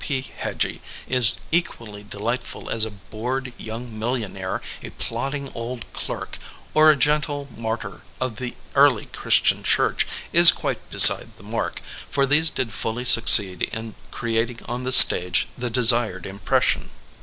P. Heggie is equally delightful as a bored young mil lionaire, a plodding old clerk, or a gentle martyr of the early Christian church, is quite beside the mark, for these did fully succeed in creating on the stage the desired impression.